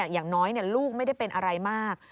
อย่างน้อยลูกไม่ได้เป็นอะไรมาก